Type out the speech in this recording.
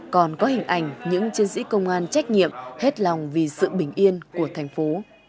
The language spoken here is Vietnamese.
còn có hình ảnh những chiến sĩ công an trách nhiệm hết lòng vì sự bình yên của thành phố